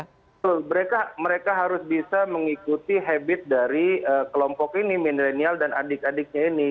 betul mereka harus bisa mengikuti habit dari kelompok ini milenial dan adik adiknya ini